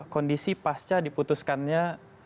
kondisi pasca diputuskannya